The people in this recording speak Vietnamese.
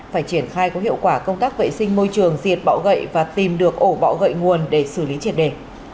phải triển khai có hiệu quả công tác vệ sinh môi trường diệt bọ gậy và tìm được ổ bọ gậy nguồn để xử lý triệt đề